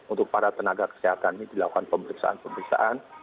untuk para tenaga kesehatan ini dilakukan pemeriksaan pemeriksaan